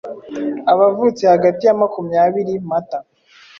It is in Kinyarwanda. abavutse hagati ya makumyabiri Mata